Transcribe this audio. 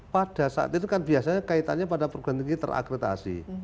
pada saat itu kan biasanya kaitannya pada perguruan tinggi terakretasi